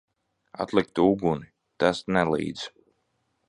Atlikt uguni! Tas nelīdz.